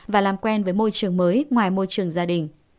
và làm quen với môi trường mới ngoài môi trường gia đình